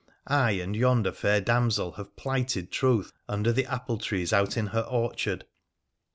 I and yonder fair damsel have plighted troth under the apple trees out in her orchard